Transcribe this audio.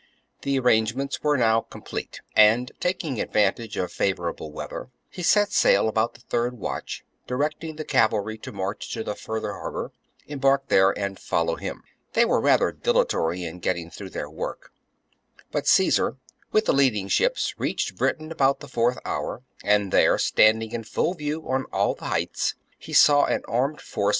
23. The arrangements were now complete; and, taking advantage of favourable weather, he set sail about the third watch, directing the cavalry to march to the further harbour, embark there, and follow him. They were rather dilatory in getting through their work ; but Caesar, with the leading ships, reached Britain about thjs fourth hour ; and there, standing in full view on all the heights, he saw an armed force ^ The eighteen transports were lying in the harbour of Ambleteuse {Ancient Britain, pp.